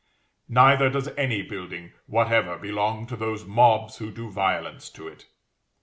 Neither does any building whatever belong to those mobs who do violence to it.